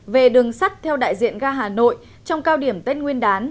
về đường sắt theo đại diện ga hà nội trong cao điểm tết nguyên đán